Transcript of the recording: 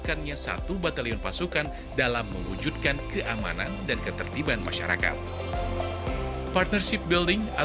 dan suasajistik wilayah meja ini supaya bisa berguna ini juga